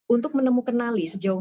untuk menemukanali sejauh